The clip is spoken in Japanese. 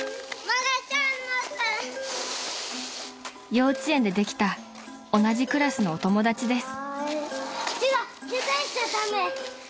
［幼稚園でできた同じクラスのお友達です］